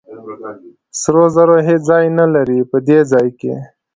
سرو زرو هېڅ ځای نه لري په دې ځای کې.